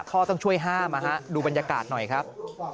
ต้องช่วยห้ามดูบรรยากาศหน่อยครับ